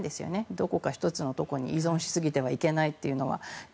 どこか１つのところに依存しすぎてはいけないというのは。